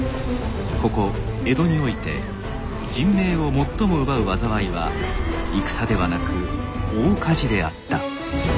ここ江戸において人命を最も奪う災いは戦ではなく大火事であった。